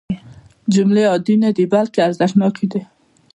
جملې عادي نه دي بلکې ارزښتناکې دي.